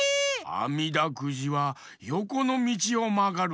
あみだくじはよこのみちをまがるべし！